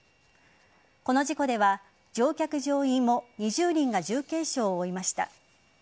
この事故では乗客乗員も２０人が重軽傷を負いました。